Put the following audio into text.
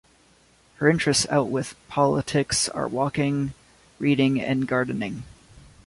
Her interests outwith politics are walking, reading and gardening.